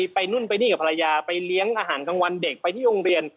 ไปนู่นไปนี่กับภรรยาไปเลี้ยงอาหารกลางวันเด็กไปที่โรงเรียน